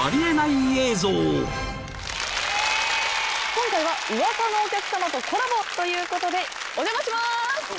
今回は『ウワサのお客さま』とコラボということでお邪魔します！